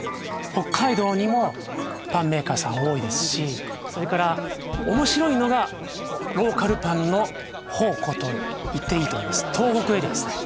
北海道にもパンメーカーさん多いですしそれから面白いのがローカルパンの宝庫と言っていいと思います東北エリアですね